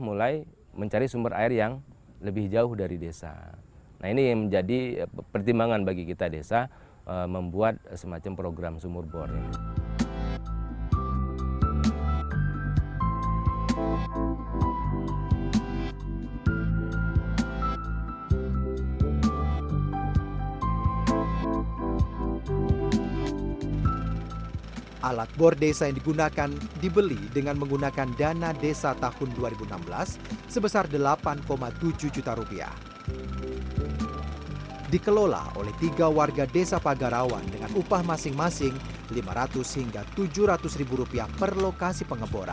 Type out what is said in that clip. sebelum ini penyewaan peralatan ini mencapai dua belas juta empat ratus ribu rupiah